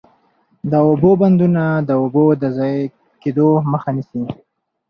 د اوبو بندونه د اوبو د ضایع کیدو مخه نیسي.